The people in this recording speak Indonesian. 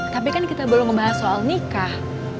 tapi kan kita belum membahas soal nikah